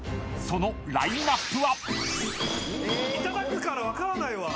［そのラインアップは］